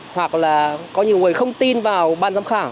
hoặc là có nhiều người không tin vào ban giám khảo